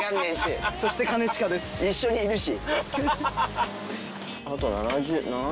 一緒にいるし。